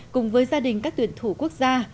cùng với gia đình các tuyển thủ quốc gia